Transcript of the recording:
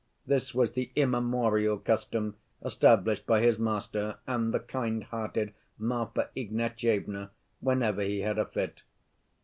This was the immemorial custom established by his master and the kind‐hearted Marfa Ignatyevna, whenever he had a fit.